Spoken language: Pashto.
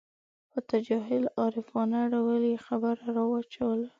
په تجاهل عارفانه ډول یې خبره راواچوله.